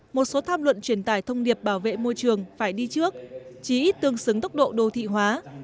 một số tham luận truyền tải thông điệp bảo vệ môi trường phải đi trước chỉ ít tương xứng tốc độ đô thị hóa